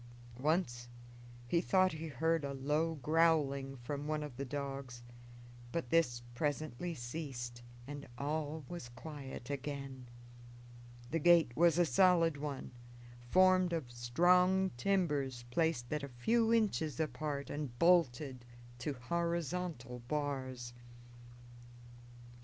Once he thought he heard a low growling from one of the dogs, but this presently ceased, and all was quiet again. The gate was a solid one, formed of strong timbers placed at a few inches apart and bolted to horizontal bars.